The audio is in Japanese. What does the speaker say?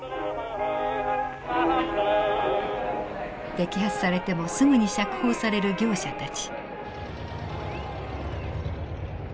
摘発されてもすぐに釈放される業者たち。